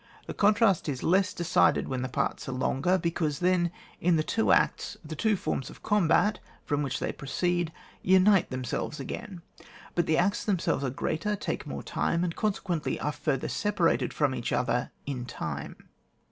The contrast is loss decided when the parts are larger, because then in the two acts the two forms of combat from which they proceed unite themselves again ; but the acts themselves are greater, take more time, and consequently are further separated from each other in time.